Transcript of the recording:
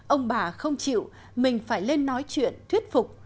ông bà không chịu mình phải lên nói chuyện thuyết phục